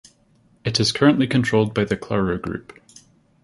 It is currently controlled by the Claro Group.